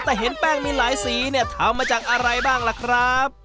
แต่เห็นแป้งมีหลายสีเนี่ยทำมาจากอะไรบ้างล่ะครับ